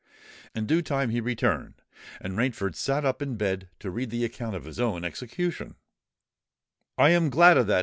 In due time he returned; and Rainford sate up in bed to read the account of his own execution! "I am glad of that!"